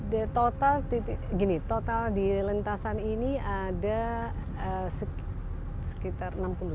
di total gini total di lintasan ini ada sekitar enam puluh delapan